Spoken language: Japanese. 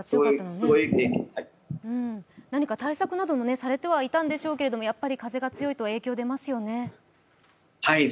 何か対策などはされていたんでしょうけれども風が強いと被害がありますね。